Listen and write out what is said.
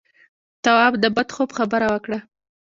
تواب د بد خوب خبره وکړه.